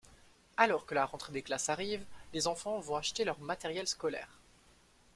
Alors que la rentrée des classes arrive, les enfants vont acheter leur matériel scolaire.